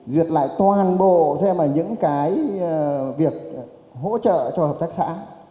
duyệt lại toàn bộ xem là những cái việc hỗ trợ cho hợp tác xã